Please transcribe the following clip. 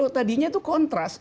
tadinya itu kontras